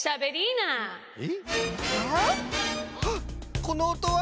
はっこのおとは！